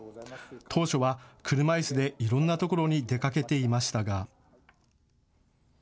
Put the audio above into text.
当初は車いすでいろんな所を出かけていましたが。